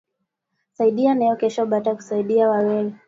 Saidia leo kesho bata kusaidia na weye